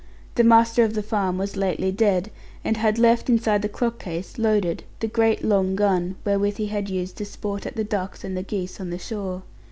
The master of the farm was lately dead, and had left, inside the clock case, loaded, the great long gun, wherewith he had used to sport at the ducks and the geese on the shore.